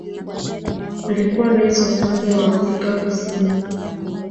Alikuwa rais wa kwanza wa Afrika Kusini